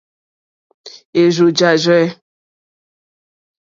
Érzù jârzɛ̂.